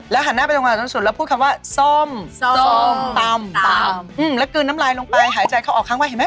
แล้วหันหน้าไปทางขวาจนสุดแล้วพูดคำว่าส้มตำและกลืนน้ำลายลงไปหายใจเขาออกข้างไว้เห็นไหม